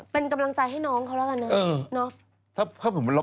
เป็นกำลังใจให้น้องเขากันเนอ๊ะ